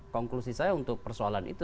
konklusi saya untuk persoalan itu